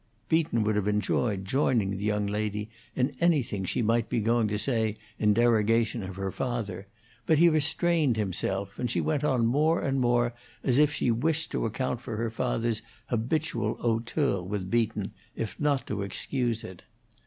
Beaton would have enjoyed joining the young lady in anything she might be going to say in derogation of her father, but he restrained himself, and she went on more and more as if she wished to account for her father's habitual hauteur with Beaton, if not to excuse it.